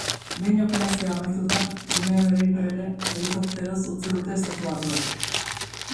Behin operazioa amaituta, gunea berriro ere helikopteroz utzi dute estatubatuarrek.